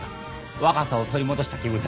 若さを取り戻した気分だ。